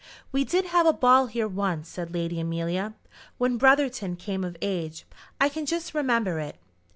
"We did have a ball here once," said Lady Amelia, "when Brotherton came of age. I can just remember it."